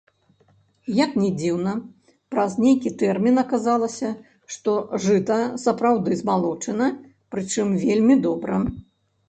Як ні дзіўна, праз нейкі тэрмін аказалася, што жыта сапраўды змалочана, прычым вельмі добра.